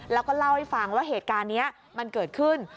แล้วก็เล่าให้ฟังว่าเหตุการณ์นี้มันเกิดขึ้น